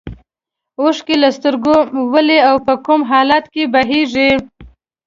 اوښکې له سترګو ولې او په کوم حالت کې بهیږي.